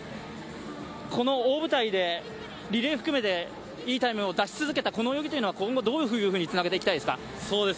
この大舞台でリレー含めていいタイムを出し続けたこの泳ぎというのは今後どのようにつなげていきたいですか。